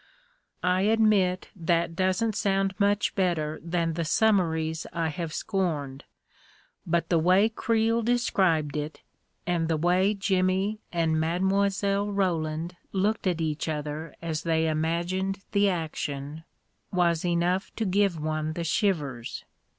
I admit that doesn't sound much better than the summaries I have scorned, but the way Creel de scribed it, and the way Jimmy and Mile. Roland looked at each other as they imagined the action, was enough to give one the shivers.